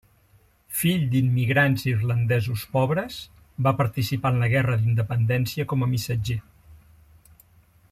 Fill d'immigrants irlandesos pobres, va participar en la guerra d'independència com a missatger.